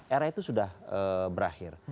era itu sudah berakhir